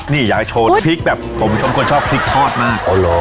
นี่อยากชนพริกแบบผมชอบพริกทอดอ่ะ